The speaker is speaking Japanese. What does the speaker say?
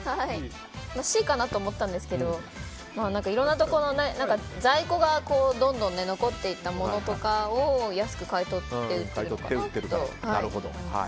Ｃかなと思ったんですけどいろんなところの在庫がどんどん残っていったものとかを安く買い取って売ってるのかなと。